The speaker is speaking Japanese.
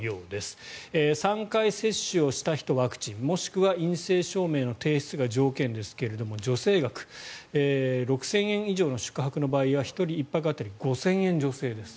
ワクチンを３回接種した人もしくは陰性証明の提出が条件ですが助成額、６０００以上の宿泊の場合は１人１泊当たり５０００円助成です。